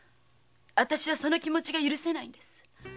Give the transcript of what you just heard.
あたしはその気持ちが許せないんです。